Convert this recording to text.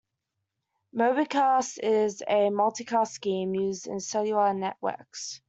MobiCast is a multicast scheme used in cellular networks.